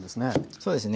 そうですね。